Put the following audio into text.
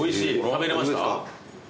食べれました？